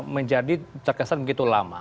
menjadi terkesan begitu lama